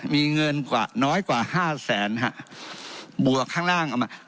มีเงินกว่าน้อยกว่าห้าแสนฮะบวกข้างล่างเอามา